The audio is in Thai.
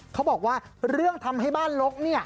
เขาบอกว่าเรื่องทำให้บ้านลกเนี่ย